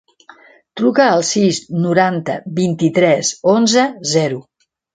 Truca al sis, noranta, vint-i-tres, onze, zero.